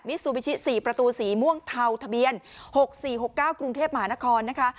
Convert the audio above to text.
ซูบิชิ๔ประตูสีม่วงเทาทะเบียน๖๔๖๙กรุงเทพมหานครนะคะ